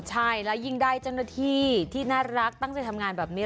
ใช่แล้วยิ่งได้เจ้าหน้าที่ที่น่ารักตั้งใจทำงานแบบนี้